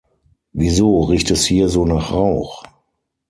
Wieso riecht es hier so nach Rauch?